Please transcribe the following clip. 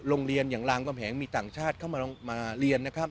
โรงเรียนอย่างรางความแหงมีต่างชาติเข้ามาเรียนนะครับ